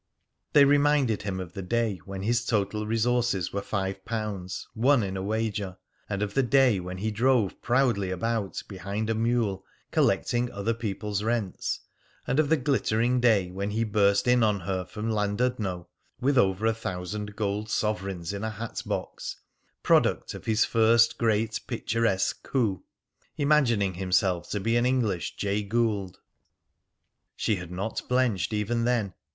They reminded him of the day when his total resources were five pounds, won in a wager, and of the day when he drove proudly about behind a mule collecting other people's rents, and of the glittering day when he burst in on her from Llandudno with over a thousand gold sovereigns in a hat box, product of his first great picturesque coup, imagining himself to be an English Jay Gould. She had not blenched even then.